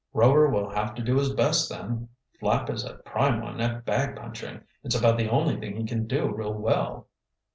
"Rover will have to do his best then. Flapp is a prime one at bag punching. It's about the only thing he can do real well."